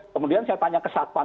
kemudian saya tanya ke satpam